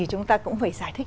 chúng ta cũng phải giải thích